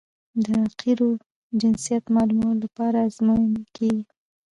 د قیرو جنسیت معلومولو لپاره ازموینې کیږي